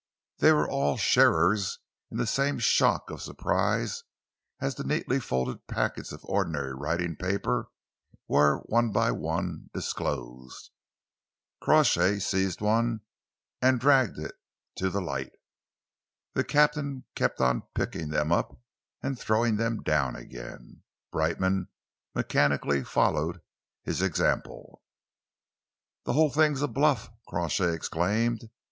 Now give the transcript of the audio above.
They were all sharers in the same shock of surprise as the neatly folded packets of ordinary writing paper were one by one disclosed. Crawshay seized one and dragged it to the light. The captain kept on picking them up and throwing them down again. Brightman mechanically followed his example. "The whole thing's a bluff!" Crawshay exclaimed.